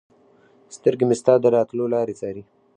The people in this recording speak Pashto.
سترګې مې ستا د راتلو لارې څاري